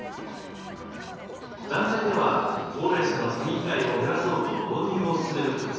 団体では高齢者の詐欺被害を減らそうと導入をすすめる活動を行っています。